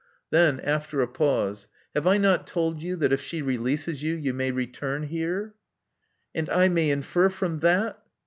Then, after a pause, Have I not told you that if she releases you, you may return here?" And I may infer from that